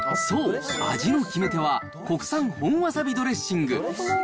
そう、味の決め手は、国産本わさびドレッシング。